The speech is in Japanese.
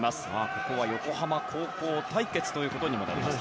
ここは横浜高校対決ということにもなります。